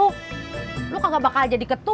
kalo kagak ada yang mau jadi tim sukses lo